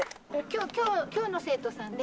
今日の生徒さん？